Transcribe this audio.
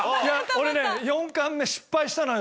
俺ね４缶目失敗したのよ。